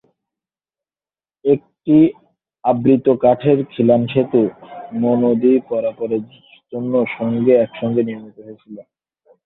একটি আবৃত কাঠের খিলান সেতু মো নদী পারাপারের জন্য সঙ্গে একসঙ্গে নির্মিত হয়েছিল।